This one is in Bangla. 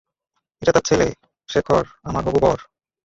এটা তার ছেলে, শেখর, আমার হবু বর।